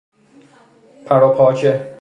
پر وپاچه